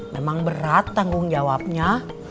memang berat tanggung jawabnya